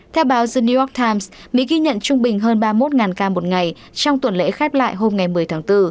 theo báo zen new york times mỹ ghi nhận trung bình hơn ba mươi một ca một ngày trong tuần lễ khép lại hôm ngày một mươi tháng bốn